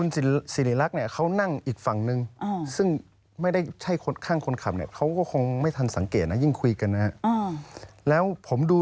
แต่ขนาดค่อนข้างเล็ก